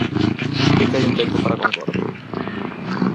E que hai un tempo para a concordia.